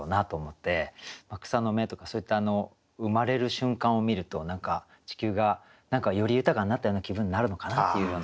草の芽とかそういった生まれる瞬間を見ると地球がより豊かになったような気分になるのかなっていうような。